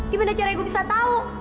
gimana caranya gue bisa tahu